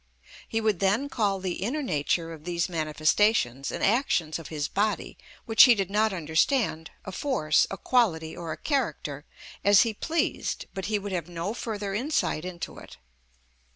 He would then call the inner nature of these manifestations and actions of his body which he did not understand a force, a quality, or a character, as he pleased, but he would have no further insight into it.